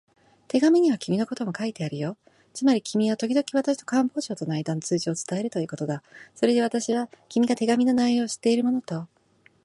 手紙には君のことも書いてあるよ。つまり君はときどき私と官房長とのあいだの通知を伝えるということだ。それで私は、君が手紙の内容を知っているものと